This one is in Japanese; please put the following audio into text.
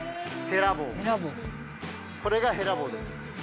これがへら棒です。